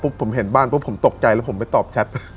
ผมเห็นบ้านปุ๊บผมตกใจแล้วผมไปตอบแชท